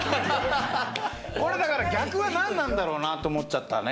これだから逆は何なんだろうなって思っちゃったね。